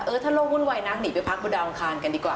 ถ้าโลกวุ่นวายนักหนีไปพักบนดาวอังคารกันดีกว่า